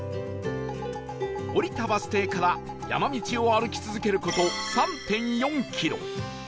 降りたバス停から山道を歩き続ける事 ３．４ キロ